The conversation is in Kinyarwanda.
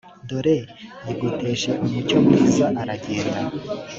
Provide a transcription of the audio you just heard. dore yigotesha umucyo mwiza aragenda